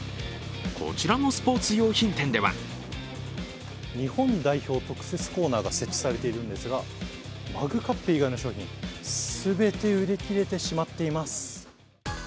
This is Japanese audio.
こちらのスポーツ用品店では日本代表特設コーナーが設置されているんですが、マグカップ以外の商品、全て売り切れてしまっています。